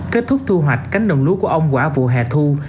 kết thúc thu hoạch cánh đồng lúa của ông quả vụ hè thu